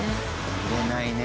揺れないね。